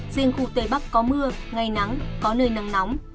riêng khu tây bắc có mưa ngày nắng có nơi nắng nóng